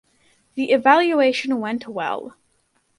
The evaluation went well